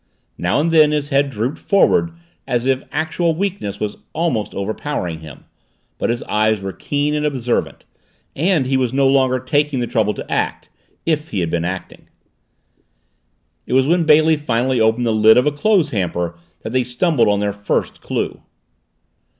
Now and then his head drooped forward as if actual weakness was almost overpowering him, but his eyes were keen and observant, and he was no longer taking the trouble to act if he had been acting. It was when Bailey finally opened the lid of a clothes hamper that they stumbled on their first clue.